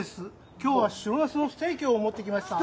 きょうは白ナスのステーキを持ってきました。